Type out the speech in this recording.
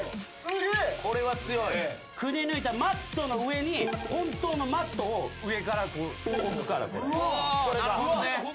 くりぬいたマットの上に本当のマットを上から置くから。